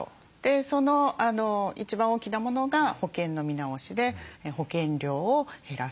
その一番大きなものが保険の見直しで保険料を減らすということですね。